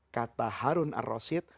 kata harun ar rasid